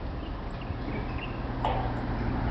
ماسومان به په سوق سره د کیسو په لټه کي وي.